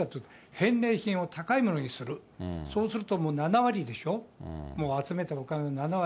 返礼品を高いものにする、そうするともう７割でしょ、もう集めたお金７割。